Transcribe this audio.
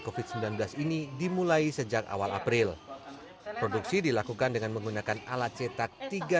covid sembilan belas ini dimulai sejak awal april produksi dilakukan dengan menggunakan alat cetak tiga